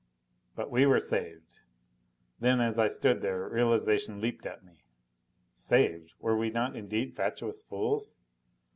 But we were saved. Then, as I stood there, realization leaped at me. Saved? Were we not indeed fatuous fools?